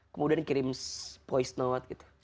kemudian kirim poesnawat gitu